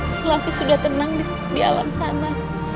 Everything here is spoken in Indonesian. situasi sudah tenang di alam sana